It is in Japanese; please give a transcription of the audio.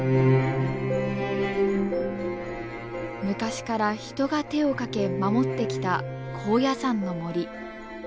昔から人が手をかけ守ってきた高野山の森。